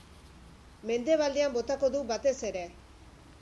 Mendebaldean botako du, batez ere.